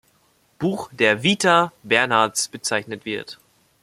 Buch der "Vita" Bernhards bezeichnet wird.